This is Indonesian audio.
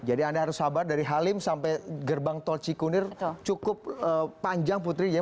jadi anda harus sabar dari halim sampai gerbang tol cikunir cukup panjang putri ya